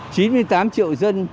chín mươi tám triệu dân